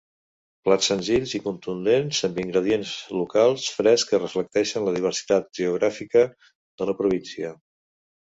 Plats senzills i contundents amb ingredients locals frescs que reflecteixen la diversitat geogràfica de la província.